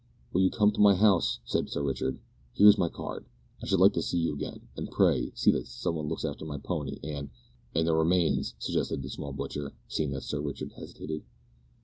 "Will you come to my house?" said Sir Richard. "Here is my card. I should like to see you again, and pray, see that some one looks after my pony and " "And the remains," suggested the small butcher, seeing that Sir Richard hesitated.